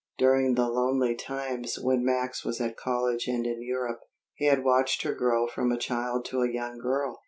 During the lonely times when Max was at college and in Europe, he had watched her grow from a child to a young girl.